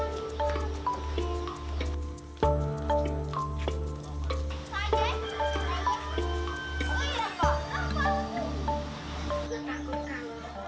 diperuntukkan bagi anak laki laki dan perempuan di bawah usia lima tahun